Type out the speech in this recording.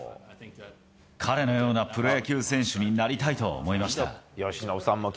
彼のようなプロ野球選手になりたいと思いました。